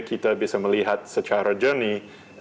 kita bisa melihat secara jernih